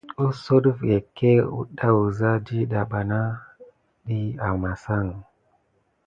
Sogue def kegué ka si agute wuza dida bana dit amasan.